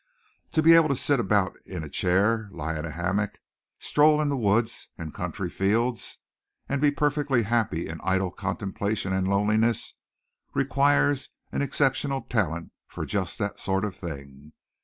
To be able to sit about in a chair, lie in a hammock, stroll in the woods and country fields and be perfectly happy in idle contemplation and loneliness, requires an exceptional talent for just that sort of thing.